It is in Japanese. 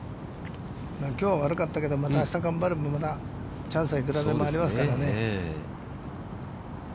きょうは悪かったけど、またあした頑張れば、またチャンスはいくらでもありますからね。